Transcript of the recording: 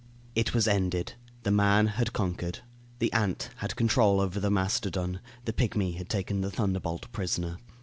It was ended. The man had conquered. The ant had control over the mastodon; the pygmy had taken the thunderbolt prisoner.